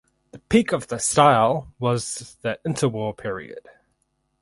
The peak of the style was the interwar period.